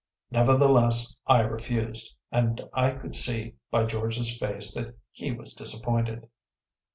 Nevertheless I refused, and I could see by George’s face that he was disappointed.